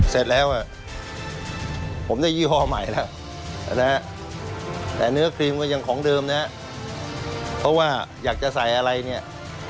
เสร็จแล้วผมได้ยี่ห้อใหม่แล้วนะฮะแต่เนื้อครีมก็ยังของเดิมนะเพราะว่าอยากจะใส่อะไรเนี่ย